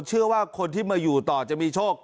เชื่อว่าคนที่มาอยู่ต่อจะมีโชค